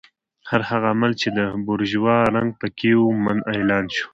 هر هغه عمل چې د بورژوا رنګ پکې و منع اعلان شو.